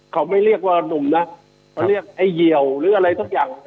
เขาไม่เรียกว่านุ่มนะเขาเรียกไอ้เหี่ยวหรืออะไรสักอย่าง